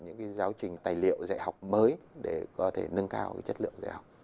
những giáo trình tài liệu dạy học mới để có thể nâng cao chất lượng dạy học